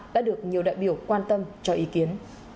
đã được nhiều đại biểu quan tâm cho ý kiến